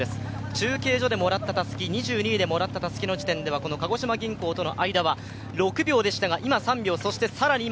中継所で２２位でもらったたすきの時点では、鹿児島銀行との差は６秒でしたが、今、３秒。